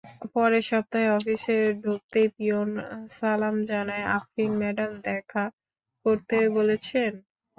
পরের সপ্তাহে অফিসে ঢুকতেই পিয়ন সালাম জানায় আফরিন ম্যাডাম দেখা করতে বলেছেন।